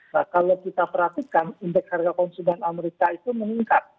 nah kalau kita perhatikan indeks harga konsumen amerika itu meningkat